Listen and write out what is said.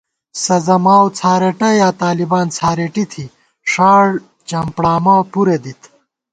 سَزہ ماؤ څھارېٹہ یا طالبان څھارېٹی تھی، ݭاڑ چمپڑامہ پُرے دِت